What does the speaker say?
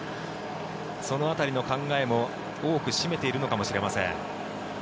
その辺りの考えも多く占めているのかもしれません。